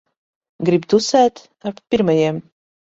Grib tusēt ar pirmajiem.